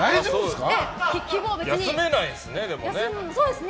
休めないんですね。